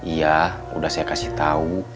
iya udah saya kasih tahu